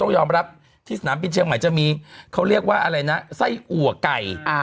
ยอมรับที่สนามบินเชียงใหม่จะมีเขาเรียกว่าอะไรนะไส้อัวไก่